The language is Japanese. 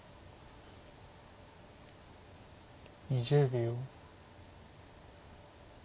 ２０秒。